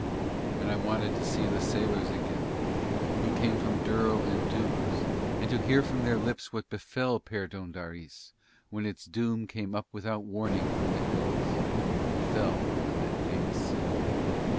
And I wanted to see the sailors again who came from Durl and Duz and to hear from their lips what befell Perdóndaris when its doom came up without warning from the hills and fell on that famous city.